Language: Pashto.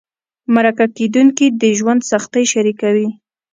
مرکه کېدونکي د ژوند سختۍ شریکوي.